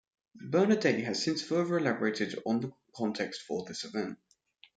Bernadette has since further elaborated on the context for this event.